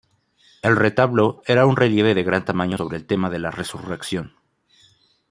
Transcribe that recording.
El retablo era un relieve de gran tamaño sobre el tema de la Resurrección.